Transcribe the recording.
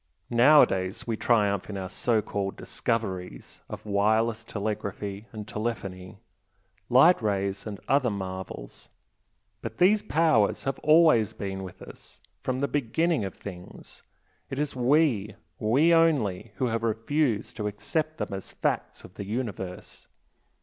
Nowadays we triumph in our so called 'discoveries' of wireless telegraphy and telephony, light rays and other marvels but these powers have always been with us from the beginning of things, it is we, we only, who have refused to accept them as facts of the universe.